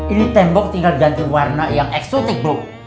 ini tembok tinggal ganti warna yang eksotik blok